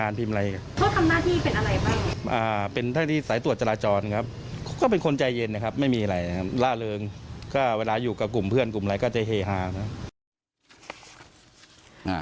อ่าเป็นท่านที่สายตรวจจราจรครับเขาก็เป็นคนใจเย็นครับไม่มีอะไรนะครับล่าเริ่มก็เวลาอยู่กับกลุ่มเพื่อนกลุ่มอะไรก็จะเฮฮ่านะครับ